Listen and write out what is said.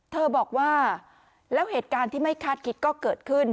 เธอบอกว่าแล้วเหตุการณ์ที่ไม่คาดคิดก็เกิดขึ้น